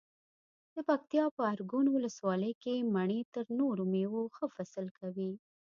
د پکتیکا په ارګون ولسوالۍ کې مڼې تر نورو مېوو ښه فصل کوي.